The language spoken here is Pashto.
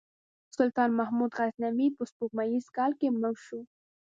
سلطان محمود غزنوي په سپوږمیز کال کې مړ شو.